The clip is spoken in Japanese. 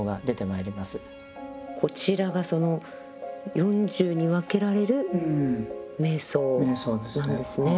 こちらがその４０に分けられる瞑想なんですね。